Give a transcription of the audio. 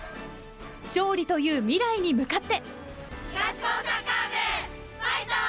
勝利という未来に向かって！